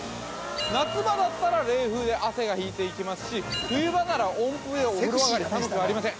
夏場だったら冷風で汗が引いていきますし冬場なら温風でお風呂上がり寒くありません